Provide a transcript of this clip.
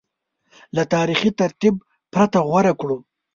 له تاریخي ترتیب پرته غوره کړو